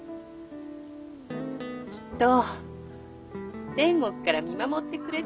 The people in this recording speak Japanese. きっと天国から見守ってくれてるよ。